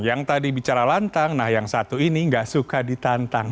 yang tadi bicara lantang nah yang satu ini gak suka ditantang